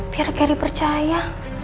biar geri percaya